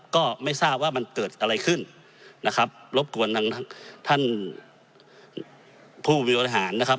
ก็ไม่ทราบว่ามันเกิดอะไรขึ้นนะครับรบกวนทางท่านผู้วิวอาหารนะครับ